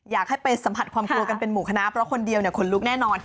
อยากให้ไปสัมผัสความกลัวกันเป็นหมู่คณะเพราะคนเดียวขนลุกแน่นอน